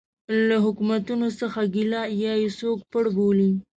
له حکومتونو څه ګیله یا یې څوک پړ بولي.